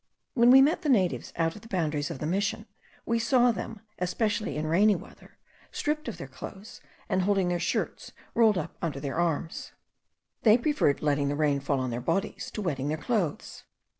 When we met the natives, out of the boundaries of the Mission, we saw them, especially in rainy weather, stripped of their clothes, and holding their shirts rolled up under their arms. They preferred letting the rain fall on their bodies to wetting their clothes.